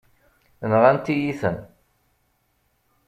Nɣant-iyi-ten.